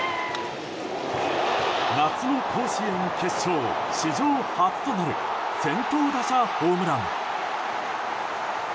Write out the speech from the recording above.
夏の甲子園決勝史上初となる先頭打者ホームラン。